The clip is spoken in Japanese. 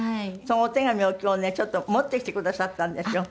そのお手紙を今日ねちょっと持ってきてくださったんですよ。